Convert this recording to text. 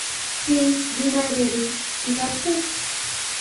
হেই, dinner ready, ঠিক আছে?